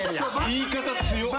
言い方強っ。